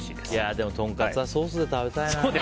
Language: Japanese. でも、とんかつはソースで食べたいな。